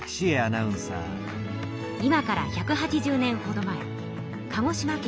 今から１８０年ほど前鹿児島県。